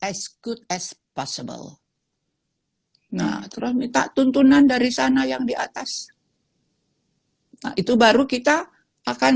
ice good as possible nah terus minta tuntunan dari sana yang di atas itu baru kita akan